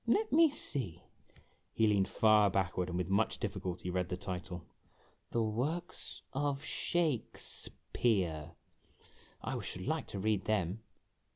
" Let me see," he leaned far backward, and with much difficulty read the title :" 'The Works of Sha kfs peare.' I should like to read them."